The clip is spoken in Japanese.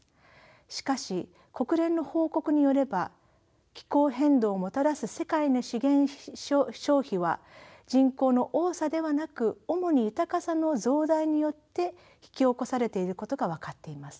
しかし国連の報告によれば気候変動をもたらす世界の資源消費は人口の多さではなく主に豊かさの増大によって引き起こされていることが分かっています。